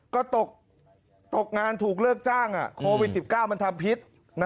ก็ตกงานถูกเลิกจ้างโควิด๑๙มันทำพิษ